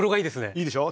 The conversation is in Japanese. いいでしょ。